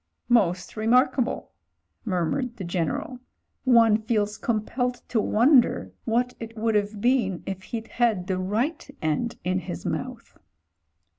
"Most remarkable," murmured the General. "One feels compelled to wonder what it would have been if he'd had the right end in his mouth."